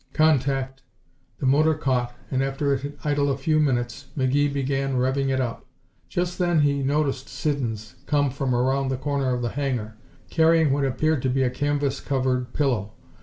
"Contact." The motor caught, and after it had idled a few minutes McGee began revving it up. Just then he noticed Siddons come from around the corner of the hangar, carrying what appeared to be a canvas covered pillow.